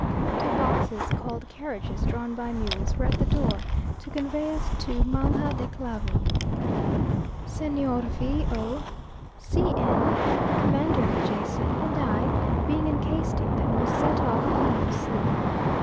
Two boxes, called carriages, drawn by mules, were at the door, to convey us to Magna de Clavo. Señor V o, C n, the commander of the Jason, and I being encased in them, we set off half asleep.